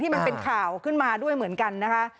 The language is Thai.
มันเป็นข่าวขึ้นมาด้วยเหมือนกันนะคะ